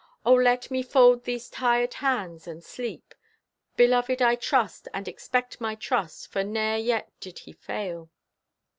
Oh, let me fold these tired hands and sleep. Beloved, I trust, and expect my trust, for ne'er yet did He fail."